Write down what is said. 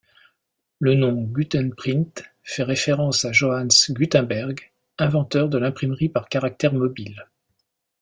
Le nom Gutenprint fait référence à Johannes Gutenberg, inventeur de l'imprimerie par caractères mobiles.